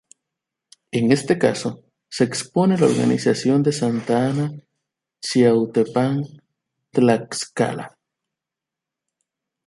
En este caso se expone la organización de Santa Ana Chiautempan, Tlaxcala.